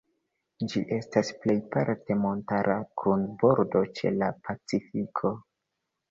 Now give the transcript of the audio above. Ĝi estas plejparte montara, kun bordo ĉe la Pacifiko.